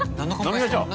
飲みましょう。